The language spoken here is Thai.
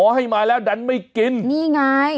ให้มาแล้วดันไม่กินนี่ไง